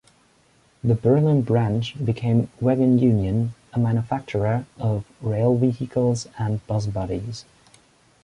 The Berlin branch became Waggon Union, a manufacturer of rail vehicles and bus bodies.